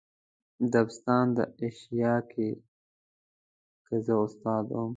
دبستان د ایشیا که زه استاد وم.